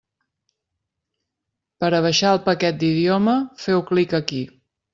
Per a baixar el paquet d'idioma feu clic aquí.